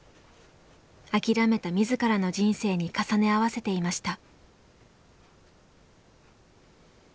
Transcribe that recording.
諦めた自らの人生に重ね合わせていました。